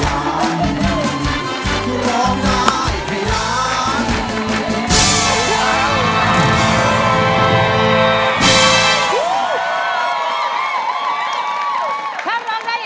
ถ้าร้องได้อย่างนี้ค่ะรับแล้ว